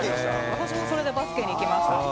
私もそれでバスケにいきました。